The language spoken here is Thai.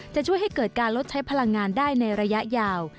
จะช่วยให้เกิดการลดใช้พลังงานได้ในระยะยาว